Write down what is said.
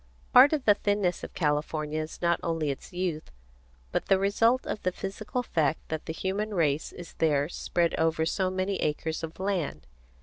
Part of the thinness of California is not only its youth, but the result of the physical fact that the human race is there spread over so many acres of land.